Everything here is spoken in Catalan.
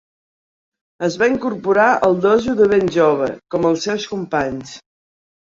Es va incorporar al dojo de ben jove, com els seus companys.